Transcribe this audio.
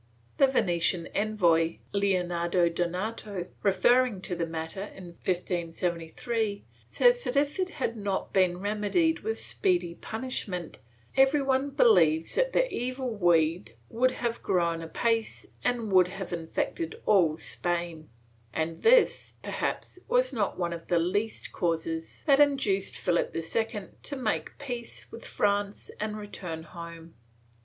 The Venetian envoy, Leonardo Donato, referring to the matter, in 1573, says that if it had not been remedied with speedy punishment, every one believes that the evil weed would have grown apace and would have infected all Spain, and this, perhaps, was not one of the least causes that induced Philip II to make peace with France and return home.